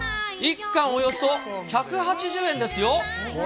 １貫およそ１８０円ですよ。